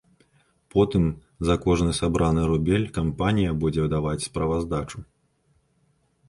Потым за кожны сабраны рубель кампанія будзе даваць справаздачу.